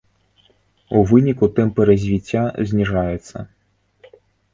У выніку тэмпы развіцця зніжаюцца.